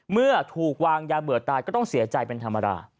เมื่อถูกวางยาเบื่อตายก็ต้องเสียใจเป็นธรรมดา